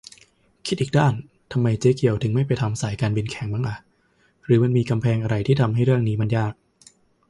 คิดอีกด้าน ทำไมเจ๊เกียวถึงไม่ไปทำสายการบินแข่งมั่งอ่ะ หรือมันมีกำแพงอะไรที่ทำให้เรื่องนี้มันยาก ?